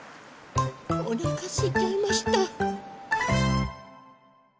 おなかすいちゃいました。